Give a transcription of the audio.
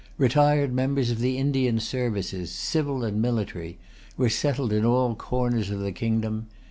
Retired members of the Indian services, civil and military, were settled in all corners of the kingdom.